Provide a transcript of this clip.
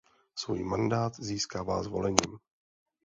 Svůj mandát získává zvolením.